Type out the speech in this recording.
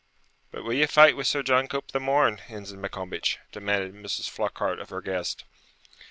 'But will ye fight wi' Sir John Cope the morn, Ensign Maccombich?' demanded Mrs. Flockhart of her guest.